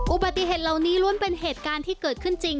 อุบัติเหตุเหล่านี้ล้วนเป็นเหตุการณ์ที่เกิดขึ้นจริง